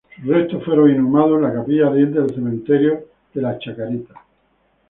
Sus restos fueron inhumados en la capilla ardiente del Cementerio de La Chacarita.